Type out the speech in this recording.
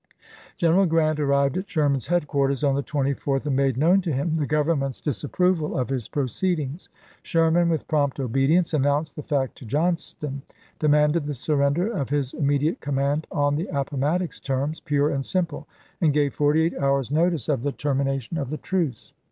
General Grant arrived at Sherman's headquarters on the 24th, and made known to him the Govern JOHNSTON'S SURRENDER 251 ment's disapproval of his proceedings. Sherman, with prompt obedience, announced the fact to Johnston, demanded the surrender of his immediate command on the Appomattox terms, pure and simple ; and gave forty eight hours' notice of the termination of the truce.